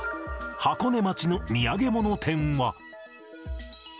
箱根町の土産物店は。